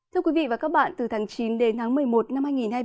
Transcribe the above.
thưa quý vị và các bạn từ tháng chín đến tháng một mươi một năm hai nghìn hai mươi ba